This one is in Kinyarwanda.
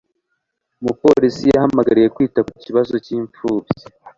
Umupolisi yahamagariye kwita ku kibazo cy'imifuka.